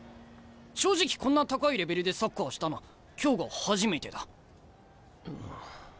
正直こんな高いレベルでサッカーしたの今日が初めてだ！